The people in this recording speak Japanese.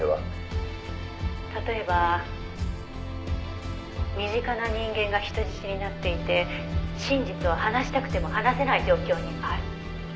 「例えば身近な人間が人質になっていて真実を話したくても話せない状況にある」